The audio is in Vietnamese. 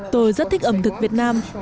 tôi rất thích ẩm thực việt nam